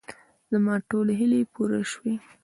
زما ټولې هیلې پوره شوې.